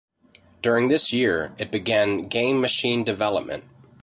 During this year, it began game machine development.